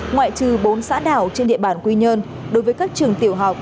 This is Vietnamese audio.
ngoại trừ bốn xã đảo trên địa bàn quy nhơn đối với các trường tiểu học